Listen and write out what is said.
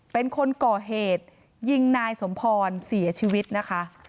เป็นคนก่อเหตุยิงนายสมพรเสียชีวิตนะคะ